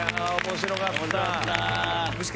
面白かった。